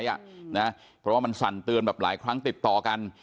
เพราะว่ามันสั่นเตือนแบบหลายครั้งติดต่อกัน